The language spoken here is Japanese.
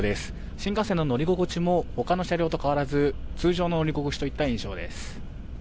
新幹線の乗り心地もほかの車両と変わらず通常の乗り心地といった印象です。